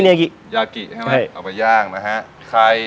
ยากิยากิใช่ไหมเอาไปย่างนะฮะ